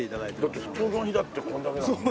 だって普通の日だってこんだけだもんね。